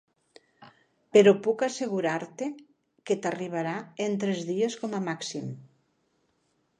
Però puc assegurar-te que t'arribarà en tres dies com a màxim.